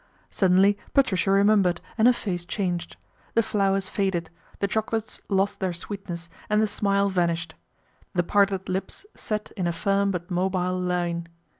Suddenly Patricia remembered, and her face changed. The flowers faded, the chocolates lost their sweetness and the smile vanished. The parted lips set in a firm but mobile line.